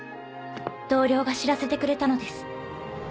同僚が知らせてくれたのです。